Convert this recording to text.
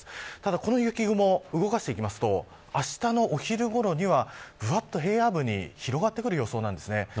この雪雲、動かしていきますとあしたの昼ごろには平野部に広がってくる予想なんです。